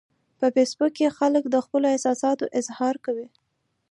په فېسبوک کې خلک د خپلو احساساتو اظهار کوي